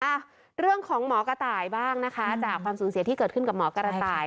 อ่ะเรื่องของหมอกระต่ายบ้างนะคะจากความสูญเสียที่เกิดขึ้นกับหมอกระต่าย